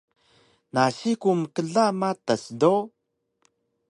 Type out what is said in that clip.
Nasi ku mkla matas do